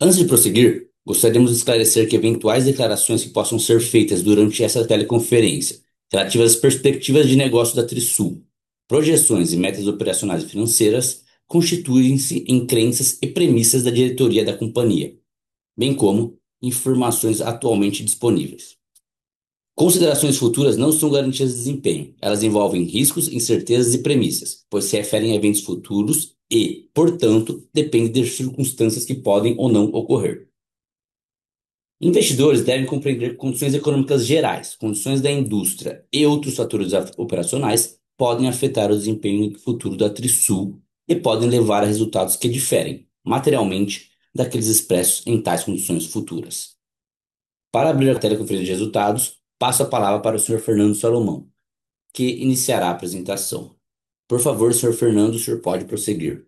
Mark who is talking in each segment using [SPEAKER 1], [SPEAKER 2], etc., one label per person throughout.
[SPEAKER 1] Antes de prosseguir, gostaríamos de esclarecer que eventuais declarações que possam ser feitas durante essa teleconferência, relativas às perspectivas de negócios da Trisul, projeções e metas operacionais e financeiras, constituem-se em crenças e premissas da diretoria da companhia, bem como informações atualmente disponíveis. Considerações futuras não são garantias de desempenho. Elas envolvem riscos, incertezas e premissas, pois se referem a eventos futuros e, portanto, dependem de circunstâncias que podem ou não ocorrer. Investidores devem compreender condições econômicas gerais, condições da indústria e outros fatores operacionais podem afetar o desempenho futuro da Trisul e podem levar a resultados que diferem materialmente daqueles expressos em tais condições futuras. Para abrir a teleconferência de resultados, passo a palavra para o senhor Fernando Salomão, que iniciará a apresentação. Por favor, senhor Fernando, o senhor pode prosseguir.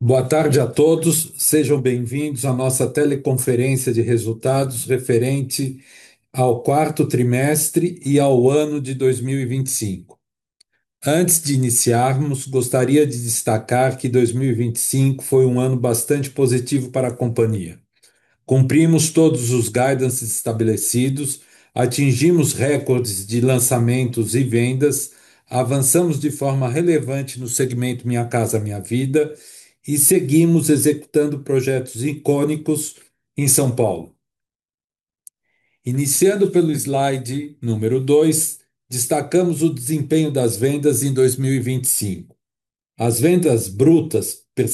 [SPEAKER 2] Boa tarde a todos. Sejam bem-vindos à nossa teleconferência de resultados referente ao quarto trimestre e ao ano de 2025. Antes de iniciarmos, gostaria de destacar que 2025 foi um ano bastante positivo para a companhia. Cumprimos todos os guidances estabelecidos, atingimos recordes de lançamentos e vendas, avançamos de forma relevante no segmento Minha Casa, Minha Vida e seguimos executando projetos icônicos em São Paulo. Iniciando pelo slide número 2, destacamos o desempenho das vendas em 2025. As vendas brutas da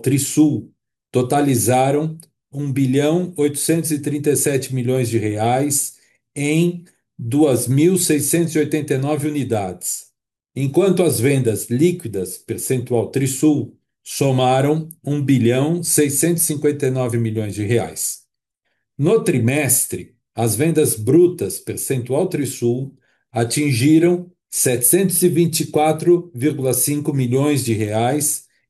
[SPEAKER 2] Trisul totalizaram BRL 1.837 bilhão em 2,689 unidades, enquanto as vendas líquidas da Trisul somaram 1.659 bilhão. No trimestre, as vendas brutas da Trisul atingiram BRL 724.5 million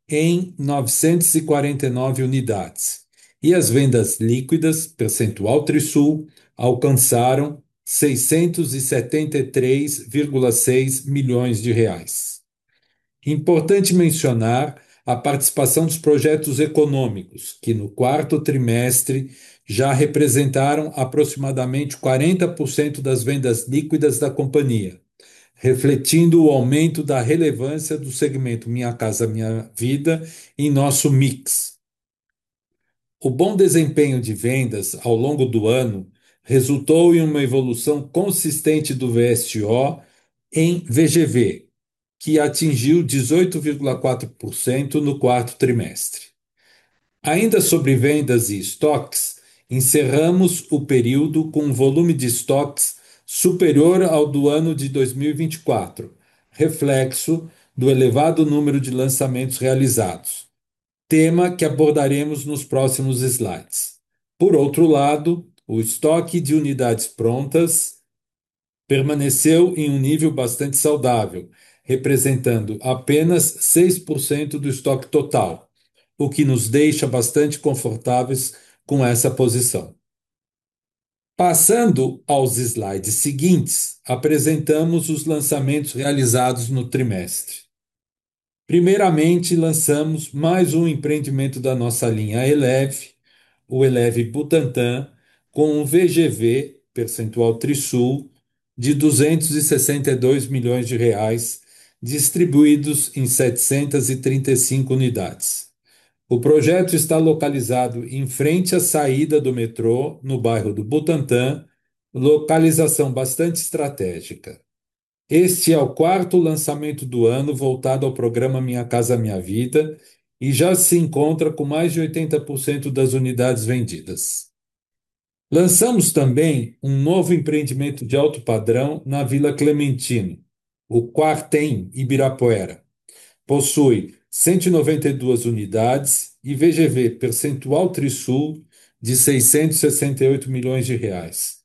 [SPEAKER 2] em 949 unidades, e as vendas líquidas da Trisul alcançaram BRL 673.6 million. Importante mencionar a participação dos projetos econômicos, que no quarto trimestre já representaram aproximadamente 40% das vendas líquidas da companhia, refletindo o aumento da relevância do segmento Minha Casa, Minha Vida em nosso mix. O bom desempenho de vendas ao longo do ano resultou em uma evolução consistente do VSO em VGV, que atingiu 18.4% no quarto trimestre. Ainda sobre vendas e estoques, encerramos o período com volume de estoques superior ao do ano de 2024, reflexo do elevado número de lançamentos realizados, tema que abordaremos nos próximos slides. Por outro lado, o estoque de unidades prontas permaneceu em um nível bastante saudável, representando apenas 6% do estoque total, o que nos deixa bastante confortáveis com essa posição. Passando aos slides seguintes, apresentamos os lançamentos realizados no trimestre. Primeiramente, lançamos mais um empreendimento da nossa linha Elev, o Elev Butantã, com o VGV percentual Trisul de 262 milhões reais, distribuídos em 735 unidades. O projeto está localizado em frente à saída do metrô, no bairro do Butantã, localização bastante estratégica. Este é o quarto lançamento do ano voltado ao programa Minha Casa, Minha Vida e já se encontra com mais de 80% das unidades vendidas. Lançamos também um novo empreendimento de alto padrão na Vila Clementino, o Quarten Ibirapuera. Possui 192 unidades e VGV percentual Trisul de 668 milhões reais.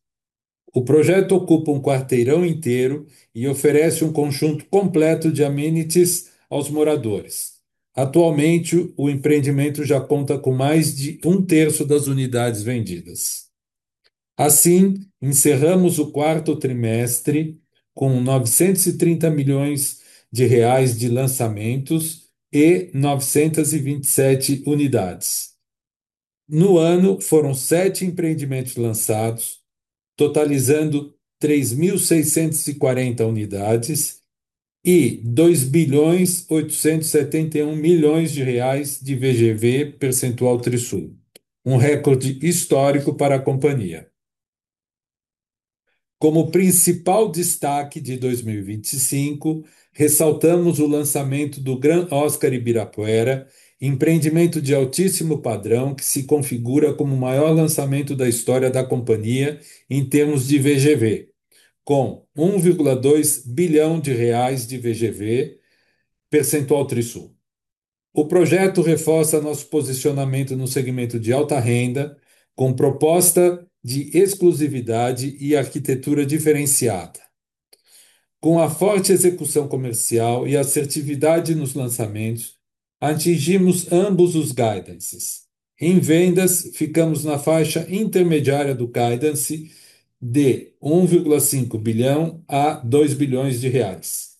[SPEAKER 2] O projeto ocupa um quarteirão inteiro e oferece um conjunto completo de amenities aos moradores. Atualmente, o empreendimento já conta com mais de um terço das unidades vendidas. Encerramos o quarto trimestre com 930 milhões de lançamentos e 927 unidades. No ano, foram 7 empreendimentos lançados, totalizando 3,640 unidades e BRL 2.871 bilhões de VGV percentual Trisul, um recorde histórico para a companhia. Como principal destaque de 2025, ressaltamos o lançamento do Grand Oscar Ibirapuera, empreendimento de altíssimo padrão que se configura como o maior lançamento da história da companhia em termos de VGV, com 1.2 bilhão reais de VGV percentual Trisul. O projeto reforça nosso posicionamento no segmento de alta renda, com proposta de exclusividade e arquitetura diferenciada. Com a forte execução comercial e assertividade nos lançamentos, atingimos ambos os guidances. Em vendas, ficamos na faixa intermediária do guidance de 1.5 billion a 2 billion reais.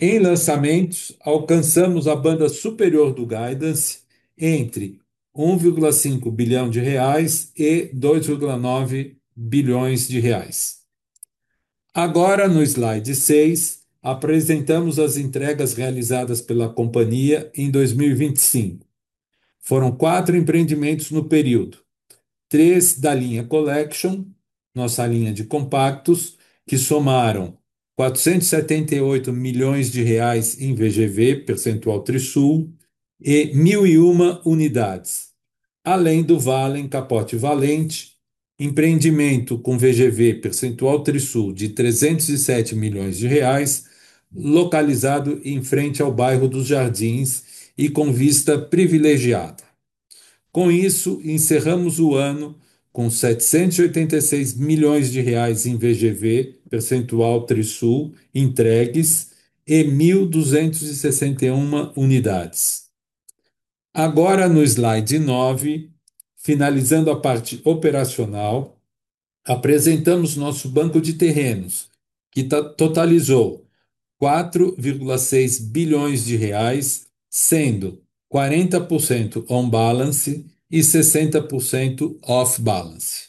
[SPEAKER 2] Em lançamentos, alcançamos a banda superior do guidance entre 1.5 billion reais e 2.9 billion reais. Agora, no slide 6, apresentamos as entregas realizadas pela companhia em 2025. Foram 4 empreendimentos no período, 3 da linha Collection, nossa linha de compactos, que somaram 478 million reais em VGV percentual Trisul e 1,001 unidades, além do Valen Capote Valente, empreendimento com VGV percentual Trisul de 307 million reais, localizado em frente ao bairro dos Jardins e com vista privilegiada. Com isso, encerramos o ano com 786 milhões reais em VGV percentual Trisul entregues em 1,261 unidades. Agora no slide 9, finalizando a parte operacional, apresentamos nosso banco de terrenos, que totalizou BRL 4.6 bilhões, sendo 40% on balance e 60% off balance.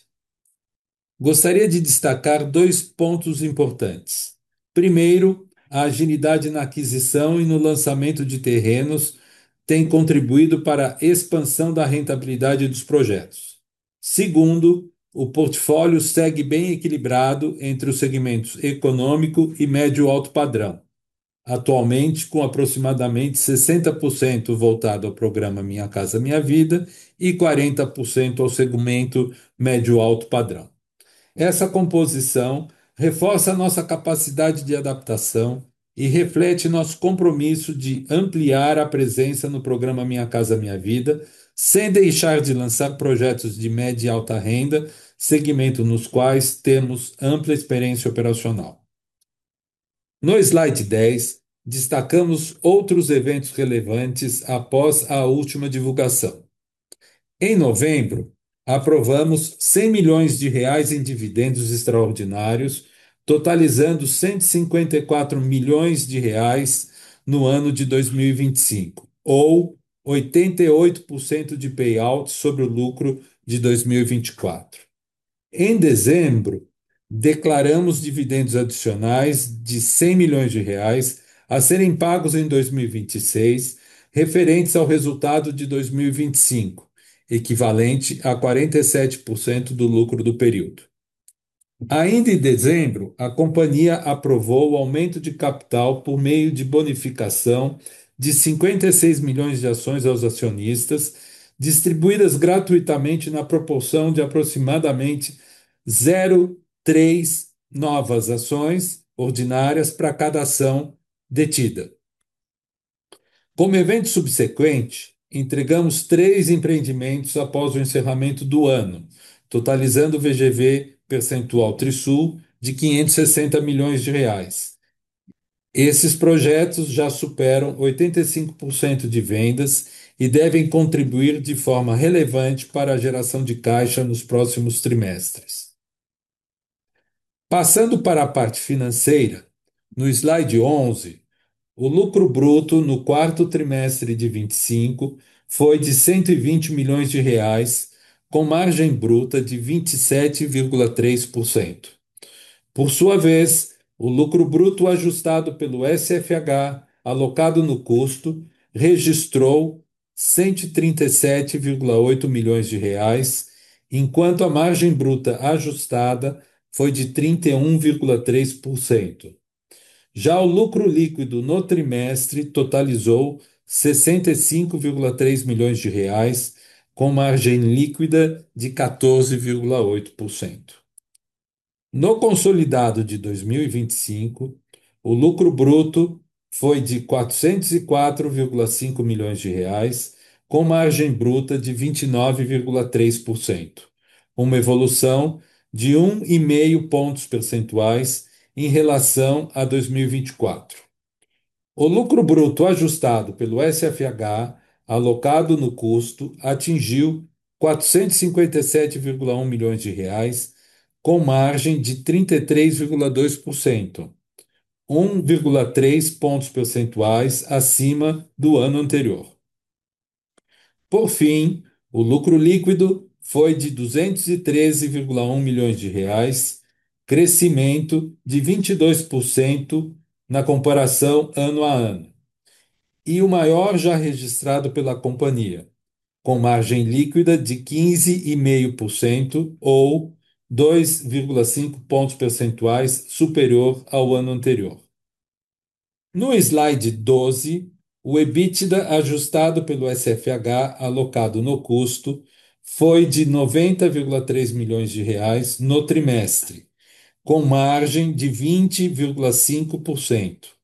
[SPEAKER 2] Gostaria de destacar dois pontos importantes. Primeiro, a agilidade na aquisição e no lançamento de terrenos tem contribuído para a expansão da rentabilidade dos projetos. Segundo, o portfólio segue bem equilibrado entre os segmentos econômico e médio-alto padrão. Atualmente, com aproximadamente 60% voltado ao programa Minha Casa, Minha Vida e 40% ao segmento médio-alto padrão. Essa composição reforça a nossa capacidade de adaptação e reflete nosso compromisso de ampliar a presença no programa Minha Casa, Minha Vida, sem deixar de lançar projetos de média e alta renda, segmento nos quais temos ampla experiência operacional. No slide 10, destacamos outros eventos relevantes após a última divulgação. Em novembro, aprovamos 100 milhões reais em dividendos extraordinários, totalizando BRL 154 milhões no ano de 2025, ou 88% de payout sobre o lucro de 2024. Em dezembro, declaramos dividendos adicionais de 100 milhões reais a serem pagos em 2026, referentes ao resultado de 2025, equivalente a 47% do lucro do período. Ainda em dezembro, a companhia aprovou o aumento de capital por meio de bonificação de 56 milhões de ações aos acionistas, distribuídas gratuitamente na proporção de aproximadamente 0.3 novas ações ordinárias pra cada ação detida. Como evento subsequente, entregamos 3 empreendimentos após o encerramento do ano, totalizando VGV potencial Trisul de 560 milhões reais. Esses projetos já superam 85% de vendas e devem contribuir de forma relevante para a geração de caixa nos próximos trimestres. Passando para a parte financeira, no slide 11, o lucro bruto no quarto trimestre de 2025 foi de 120 milhões reais, com margem bruta de 27.3%. Por sua vez, o lucro bruto ajustado pelo SFH, alocado no custo, registrou 137.8 milhões de reais, enquanto a margem bruta ajustada foi de 31.3%. Já o lucro líquido no trimestre totalizou 65.3 milhões de reais, com margem líquida de 14.8%. No consolidado de 2025, o lucro bruto foi de 404.5 milhões de reais, com margem bruta de 29.3%, uma evolução de 1.5 pontos percentuais em relação a 2024. O lucro bruto ajustado pelo SFH, alocado no custo, atingiu 457.1 milhões de reais, com margem de 33.2%, 1.3 pontos percentuais acima do ano anterior. Por fim, o lucro líquido foi de 213.1 milhões de reais, crescimento de 22% na comparação ano a ano, e o maior já registrado pela companhia, com margem líquida de 15.5% ou 2.5 pontos percentuais superior ao ano anterior. No slide 12, o EBITDA ajustado pelo SFH alocado no custo foi de 90.3 milhões de reais no trimestre, com margem de 20.5%.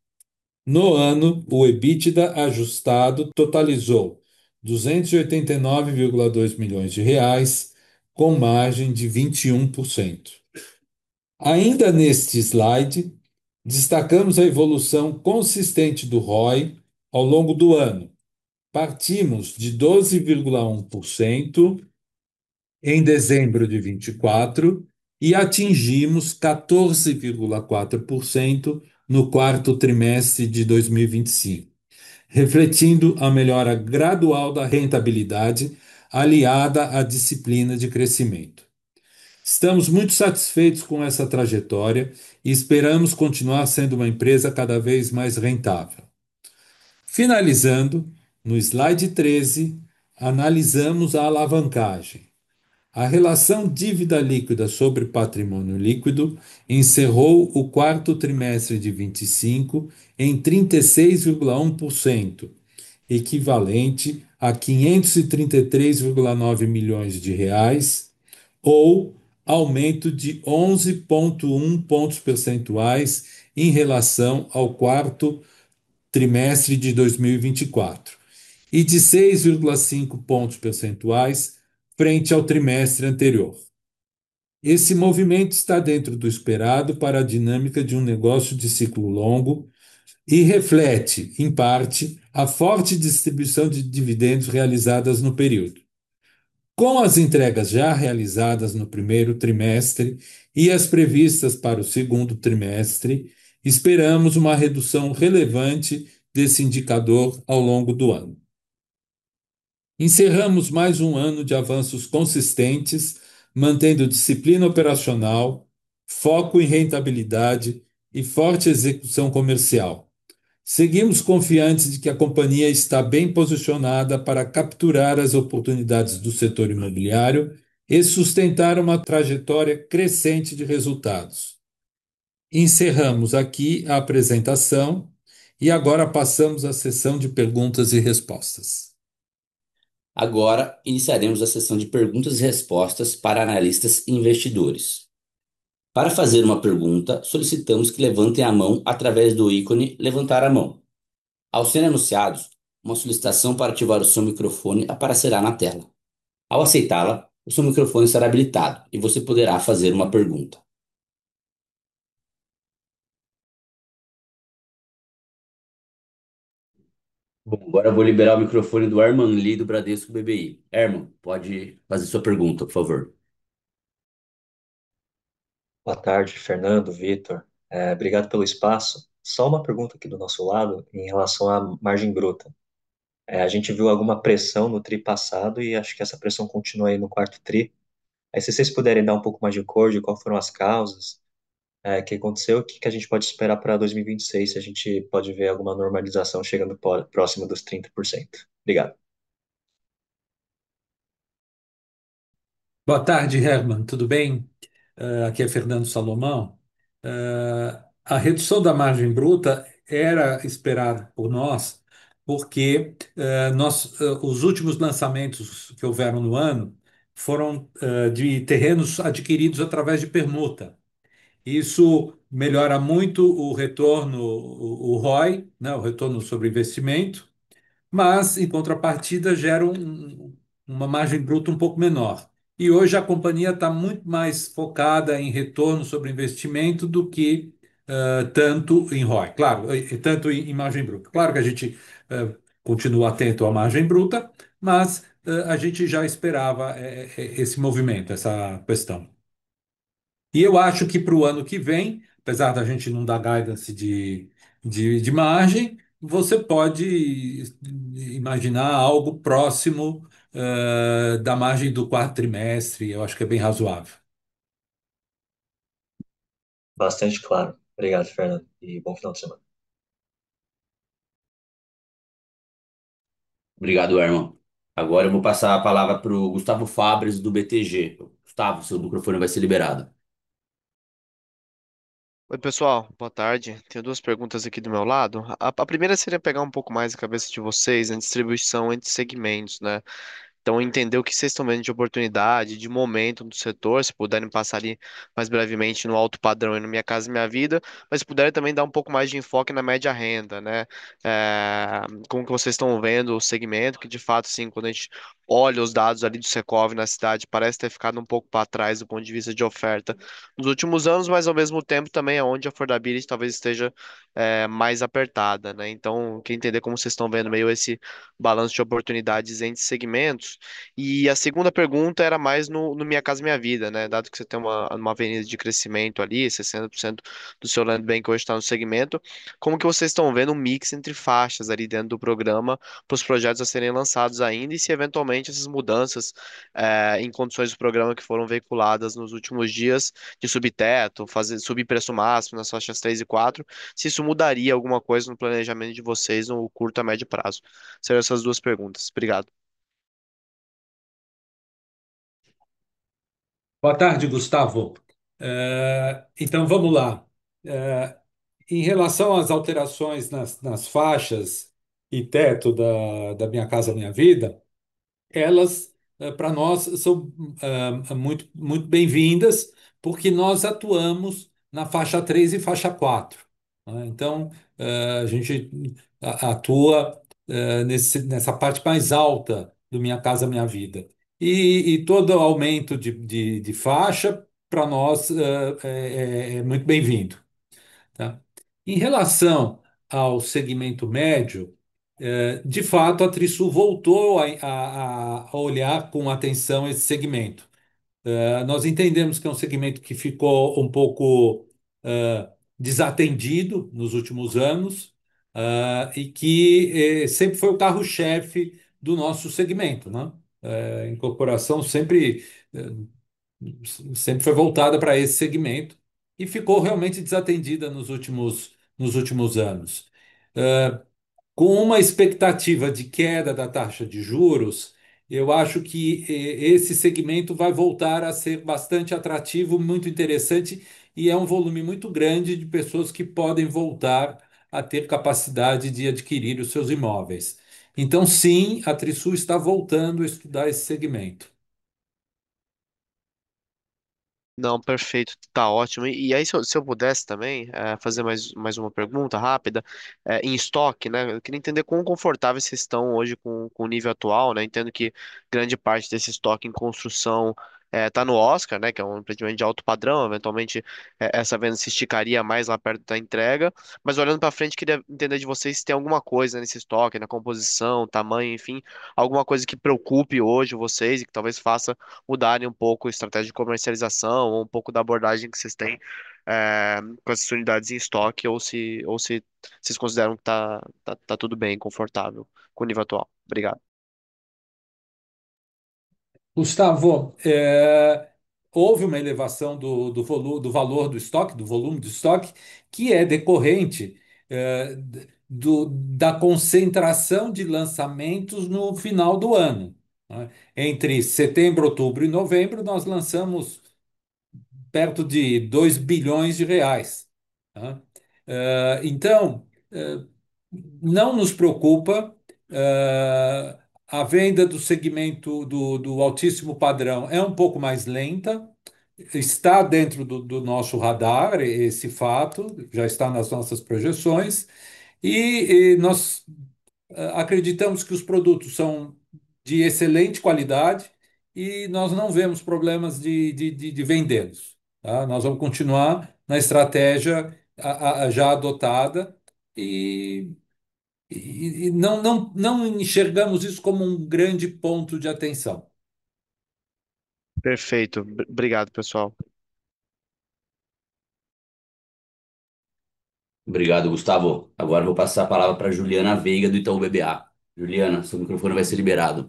[SPEAKER 2] No ano, o EBITDA ajustado totalizou 289.2 milhões de reais, com margem de 21%. Ainda neste slide, destacamos a evolução consistente do ROE ao longo do ano. Partimos de 12.1% em dezembro de 2024 e atingimos 14.4% no quarto trimestre de 2025, refletindo a melhora gradual da rentabilidade aliada à disciplina de crescimento. Estamos muito satisfeitos com essa trajetória e esperamos continuar sendo uma empresa cada vez mais rentável. Finalizando, no slide 13, analisamos a alavancagem. A relação dívida líquida sobre patrimônio líquido encerrou o quarto trimestre de 2025 em 36.1%, equivalente a 533.9 million reais, ou aumento de 11.1 pontos percentuais em relação ao quarto trimestre de 2024 e de 6.5 pontos percentuais frente ao trimestre anterior. Esse movimento está dentro do esperado para a dinâmica de um negócio de ciclo longo e reflete, em parte, a forte distribuição de dividendos realizadas no período. Com as entregas já realizadas no primeiro trimestre e as previstas para o segundo trimestre, esperamos uma redução relevante desse indicador ao longo do ano. Encerramos mais um ano de avanços consistentes, mantendo disciplina operacional, foco em rentabilidade e forte execução comercial. Seguimos confiantes de que a companhia está bem posicionada para capturar as oportunidades do setor imobiliário e sustentar uma trajetória crescente de resultados. Encerramos aqui a apresentação e agora passamos à seção de perguntas e respostas.
[SPEAKER 1] Agora iniciaremos a sessão de perguntas e respostas para analistas e investidores. Para fazer uma pergunta, solicitamos que levantem a mão através do ícone "Levantar a mão". Ao serem anunciados, uma solicitação para ativar o seu microfone aparecerá na tela. Ao aceitá-la, o seu microfone será habilitado e você poderá fazer uma pergunta. Bom, agora vou liberar o microfone do André Mazini, do Citi. André, pode fazer sua pergunta, por favor.
[SPEAKER 3] Boa tarde, Fernando, Victor. Obrigado pelo espaço. Só uma pergunta aqui do nosso lado em relação à margem bruta. A gente viu alguma pressão no tri passado e acho que essa pressão continua aí no quarto tri. Aí se cês puderem dar um pouco mais de cor de qual foram as causas, o que aconteceu, o que que a gente pode esperar pra 2026, se a gente pode ver alguma normalização chegando próxima dos 30%. Obrigado.
[SPEAKER 2] Boa tarde, André Mazini, tudo bem? Aqui é Fernando Salomão. A redução da margem bruta era esperada por nós, porque os últimos lançamentos que houveram no ano foram de terrenos adquiridos através de permuta. Isso melhora muito o retorno, o ROI, né, o retorno sobre investimento, mas, em contrapartida, gera uma margem bruta um pouco menor. E hoje a companhia tá muito mais focada em retorno sobre investimento do que, tanto em ROI, claro, tanto em margem bruta. Claro que a gente continua atento à margem bruta, mas a gente já esperava esse movimento, essa questão. E eu acho que pro ano que vem, apesar da gente não dar guidance de margem, você pode imaginar algo próximo da margem do quarto trimestre, eu acho que é bem razoável.
[SPEAKER 3] Bastante claro. Obrigado, Fernando, e bom final de semana.
[SPEAKER 1] Obrigado, André Mazini. Agora eu vou passar a palavra pro Gustavo Cambauva do BTG. Gustavo, seu microfone vai ser liberado.
[SPEAKER 4] Oi, pessoal, boa tarde. Tenho duas perguntas aqui do meu lado. A primeira seria pegar um pouco mais a cabeça de vocês em distribuição entre segmentos, né. Então entender o que cês tão vendo de oportunidade, de momento do setor, se puderem passar ali mais brevemente no alto padrão, aí no Minha Casa, Minha Vida, mas se puder também dar um pouco mais de enfoque na média renda, né. Como que vocês tão vendo o segmento, que de fato, assim, quando a gente olha os dados ali do Secovi-SP na cidade, parece ter ficado um pouco pra trás do ponto de vista de oferta nos últimos anos, mas ao mesmo tempo também é onde a affordability talvez esteja mais apertada, né. Então quero entender como cês tão vendo meio esse balanço de oportunidades entre segmentos. A segunda pergunta era mais no Minha Casa, Minha Vida, né, dado que cê tem uma avenida de crescimento ali, 60% do seu land bank hoje tá no segmento, como que vocês tão vendo o mix entre faixas ali dentro do programa pros projetos a serem lançados ainda e se eventualmente essas mudanças em condições do programa que foram veiculadas nos últimos dias, de subir teto, subir preço máximo nas faixas 3 e 4, se isso mudaria alguma coisa no planejamento de vocês no curto a médio prazo. Seriam essas duas perguntas. Obrigado.
[SPEAKER 2] Boa tarde, Gustavo. Vamo lá. Em relação às alterações nas faixas e teto da Minha Casa, Minha Vida, elas pra nós são muito bem-vindas, porque nós atuamos na faixa 3 e faixa 4. A gente atua nessa parte mais alta do Minha Casa, Minha Vida. Todo aumento de faixa pra nós é muito bem-vindo. Em relação ao segmento médio. De fato, a Trisul voltou a olhar com atenção esse segmento. Nós entendemos que é um segmento que ficou um pouco desatendido nos últimos anos, e que sempre foi o carro-chefe do nosso segmento. A incorporação sempre foi voltada pra esse segmento e ficou realmente desatendida nos últimos anos. Com uma expectativa de queda da taxa de juros, eu acho que esse segmento vai voltar a ser bastante atrativo, muito interessante e é um volume muito grande de pessoas que podem voltar a ter capacidade de adquirir os seus imóveis. Sim, a Trisul está voltando a estudar esse segmento.
[SPEAKER 4] Não, perfeito. Tá ótimo. Aí, se eu pudesse também fazer mais uma pergunta rápida. Em estoque, né, eu queria entender quão confortáveis cês tão hoje com o nível atual, né. Entendo que grande parte desse estoque em construção tá no Oscar, né, que é um empreendimento de alto padrão. Eventualmente essa venda se esticaria mais lá perto da entrega. Olhando para frente, queria entender de vocês se tem alguma coisa nesse estoque, na composição, tamanho, enfim, alguma coisa que preocupe hoje vocês e que talvez faça mudarem um pouco a estratégia de comercialização ou um pouco da abordagem que cês têm com essas unidades em estoque ou se cês consideram que tá tudo bem, confortável com o nível atual. Obrigado.
[SPEAKER 2] Gustavo, houve uma elevação do valor do estoque, do volume do estoque, que é decorrente da concentração de lançamentos no final do ano, né. Entre setembro, outubro e novembro, nós lançamos perto de BRL 2 billion, né. Então, não nos preocupa. A venda do segmento do altíssimo padrão é um pouco mais lenta, está dentro do nosso radar esse fato, já está nas nossas projeções e nós acreditamos que os produtos são de excelente qualidade e nós não vemos problemas de vendê-los, tá? Nós vamos continuar na estratégia já adotada e não enxergamos isso como um grande ponto de atenção.
[SPEAKER 4] Perfeito. Obrigado, pessoal.
[SPEAKER 1] Obrigado, Gustavo. Agora eu vou passar a palavra pra Juliana Veiga, do Itaú BBA. Juliana, seu microfone vai ser liberado.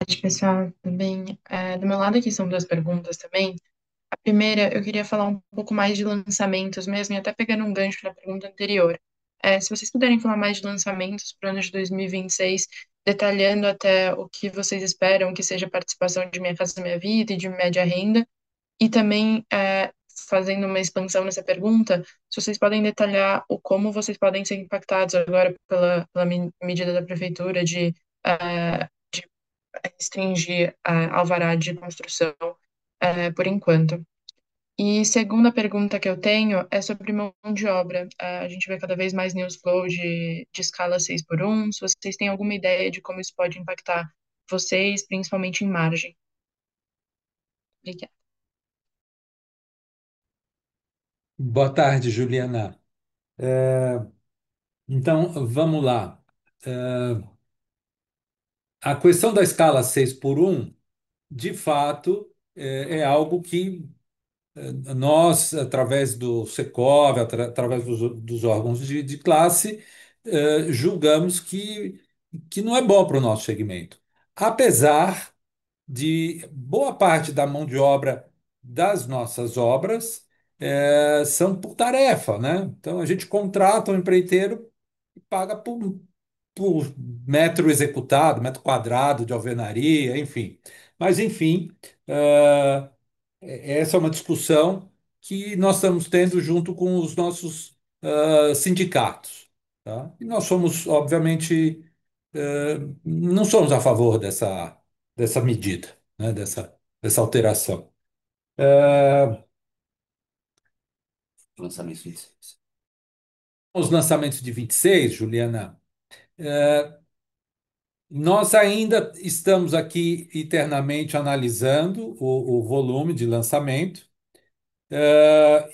[SPEAKER 5] Boa tarde, pessoal, tudo bem? Do meu lado aqui são duas perguntas também. A primeira, eu queria falar um pouco mais de lançamentos mesmo, e até pegando um gancho da pergunta anterior. Se vocês puderem falar mais de lançamentos pro ano de 2026, detalhando até o que vocês esperam que seja a participação de Minha Casa, Minha Vida e de média renda. E também, fazendo uma expansão nessa pergunta, se vocês podem detalhar o como vocês podem ser impactados agora pela medida da prefeitura de restringir a alvará de construção, por enquanto. E segunda pergunta que eu tenho é sobre mão de obra. A gente vê cada vez mais news flow de escala 6x1. Se vocês têm alguma ideia de como isso pode impactar vocês, principalmente em margem. Obrigada.
[SPEAKER 2] Boa tarde, Juliana. Vamo lá. A questão da escala 6x1, de fato, é algo que nós, através do Secovi, através dos órgãos de classe, julgamos que não é bom pro nosso segmento. Apesar de boa parte da mão de obra das nossas obras, são por tarefa, né. A gente contrata um empreiteiro e paga por metro executado, metro quadrado de alvenaria, enfim. Mas enfim, essa é uma discussão que nós estamos tendo junto com os nossos sindicatos, tá. Nós somos, obviamente, não somos a favor dessa medida, né, dessa alteração.
[SPEAKER 1] Lançamentos de 26.
[SPEAKER 2] Os lançamentos de 26, Juliana? Nós ainda estamos aqui internamente analisando o volume de lançamento,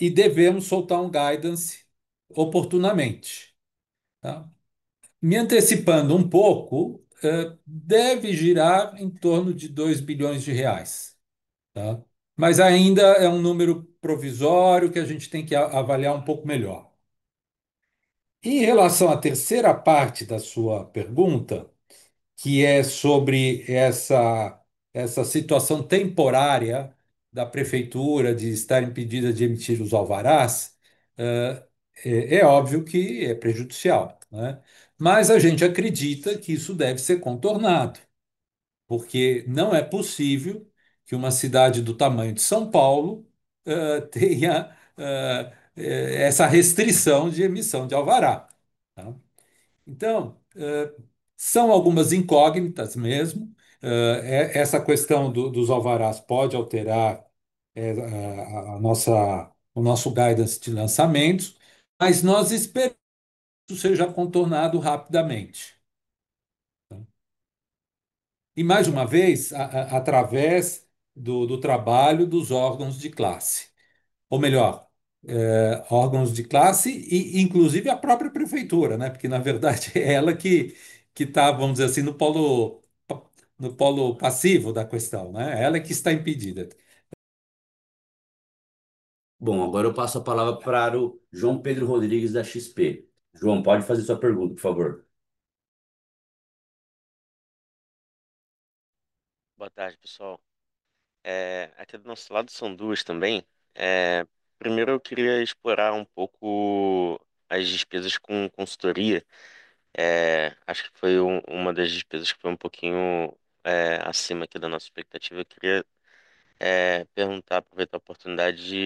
[SPEAKER 2] e devemos soltar um guidance oportunamente, tá? Me antecipando um pouco, deve girar em torno de 2 billion reais, tá? Ainda é um número provisório que a gente tem que avaliar um pouco melhor. Em relação à terceira parte da sua pergunta, que é sobre essa situação temporária da prefeitura de estar impedida de emitir os alvarás, é óbvio que é prejudicial, né. A gente acredita que isso deve ser contornado, porque não é possível que uma cidade do tamanho de São Paulo tenha essa restrição de emissão de alvará, tá? Então, são algumas incógnitas mesmo. Essa questão dos alvarás pode alterar o nosso guidance de lançamentos, mas nós esperamos que isso seja contornado rapidamente. Mais uma vez, através do trabalho dos órgãos de classe. Ou melhor, órgãos de classe e inclusive a própria prefeitura, né, porque na verdade é ela que tá, vamos dizer assim, no polo passivo da questão, né? Ela que está impedida.
[SPEAKER 1] Bom, agora eu passo a palavra pro João Rodrigues, da XP. João, pode fazer sua pergunta, por favor.
[SPEAKER 6] Boa tarde, pessoal. Aqui do nosso lado são duas também. Primeiro eu queria explorar um pouco as despesas com consultoria. Acho que foi uma das despesas que foi um pouquinho acima aqui da nossa expectativa. Eu queria perguntar, aproveitar a oportunidade de